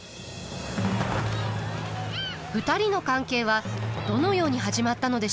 ２人の関係はどのように始まったのでしょうか。